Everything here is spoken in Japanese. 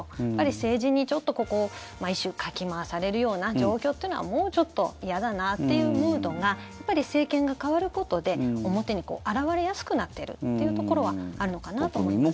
政治に、一種かき回されるような状況というのはもうちょっと嫌だなっていうムードがやっぱり政権が代わることで表に表れやすくなってるというところはあるのかなと思います。